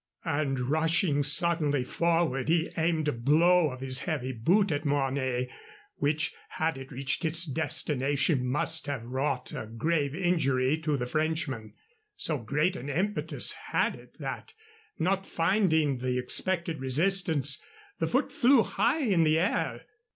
And, rushing suddenly forward, he aimed a blow of his heavy boot at Mornay, which, had it reached its destination, must have wrought a grave injury to the Frenchman. So great an impetus had it that, not finding the expected resistance, the foot flew high in the air.